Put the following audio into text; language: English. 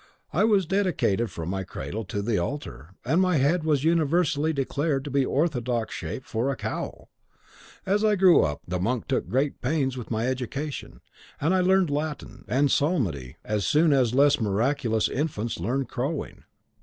I was dedicated from my cradle to the altar; and my head was universally declared to be the orthodox shape for a cowl. As I grew up, the monk took great pains with my education; and I learned Latin and psalmody as soon as less miraculous infants learn crowing.